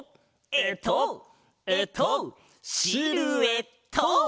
えっとえっとシルエット！